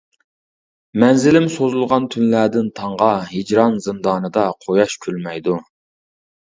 مەنزىلىم سوزۇلغان تۈنلەردىن تاڭغا، ھىجران زىندانىدا قۇياش كۈلمەيدۇ.